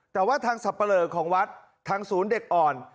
แต่ว่าทางสับปะเลอของวัดทางศูนย์เด็กอ่อน